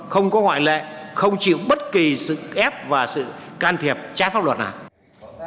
không có ngoại lệ không chịu bất kỳ sự ép và sự can thiệp trái pháp luật nào